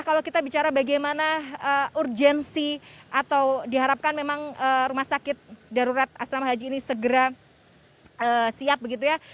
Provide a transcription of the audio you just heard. kalau kita bicara bagaimana urgensi atau diharapkan memang rumah sakit darurat asrama haji ini segera siap begitu ya